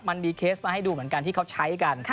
มันมีเคสมาให้ดูเหมือนกันที่เขาใช้กัน